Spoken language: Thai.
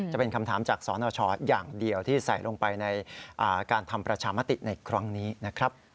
จะเป็นคำถามจากสนชอย่างเดียวที่ใส่ลงไปในการทำประชามติในครั้งนี้นะครับ